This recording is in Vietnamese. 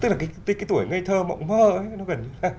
tức là cái tuổi ngây thơ mộng mơ ấy nó gần như